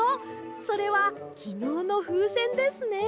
それはきのうのふうせんですね。